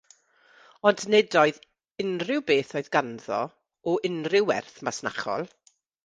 Ond nid oedd unrhyw beth oedd ganddo o unrhyw werth masnachol.